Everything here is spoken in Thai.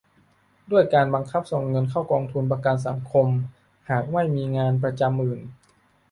ด้วยการบังคับส่งเงินเข้ากองทุนประกันสังคมหากไม่มีงานประจำอื่น